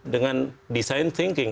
dengan design thinking